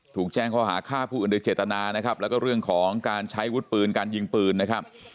ถูกแจ้งข้อหาฆ่าผู้อื่นโดยเจตนานะครับแล้วก็เรื่องของการใช้วุฒิปืนการยิงปืนนะครับ